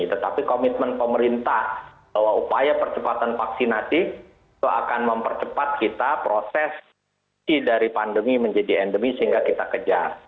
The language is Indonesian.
tetapi komitmen pemerintah bahwa upaya percepatan vaksinasi itu akan mempercepat kita prosesi dari pandemi menjadi endemi sehingga kita kejar